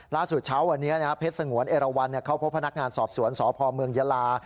ล่าสุดเช้าวันนี้นะครับเพชรสงวนเอลวัลเขาพบพนักงานสอบสวนสพเยลา